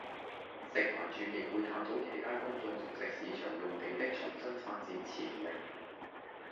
食環署亦會探討其他公眾熟食市場用地的重新發展潛力